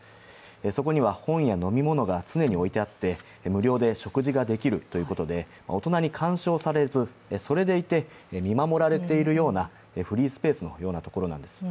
そこには本や飲み物が常に置いてあって無料で食事ができるということで、大人に干渉されず、それでいて見守られているようなフリースペースのようなところなんです。